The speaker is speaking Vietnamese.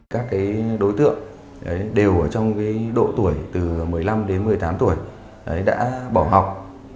các đối tượng đều ở trong độ tuổi từ một mươi năm đến một mươi tám tuổi đã bỏ học